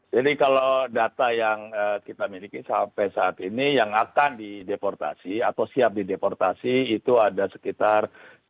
jadi kalau data yang kita miliki sampai saat ini yang akan dideportasi atau siap dideportasi itu ada sekitar tujuh dua ratus